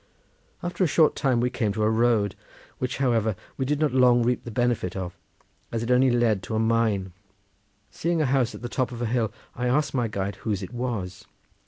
After a short time we came to a road, which, however, we did not long reap the benefit of as it only led to a mine. Seeing a house on the top of a hill, I asked my guide whose it was.